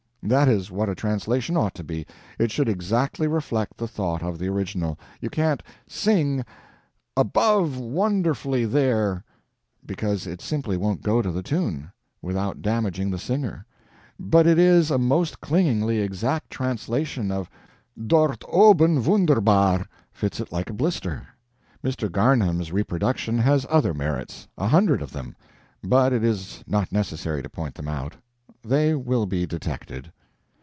That is what a translation ought to be; it should exactly reflect the thought of the original. You can't SING "Above wonderfully there," because it simply won't go to the tune, without damaging the singer; but it is a most clingingly exact translation of DORT OBEN WUNDERBAR fits it like a blister. Mr. Garnham's reproduction has other merits a hundred of them but it is not necessary to point them out. They will be detected.